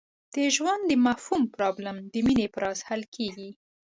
د ژوند د مفهوم پرابلم د مینې په راز حل کېږي.